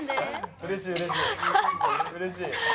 うれしい。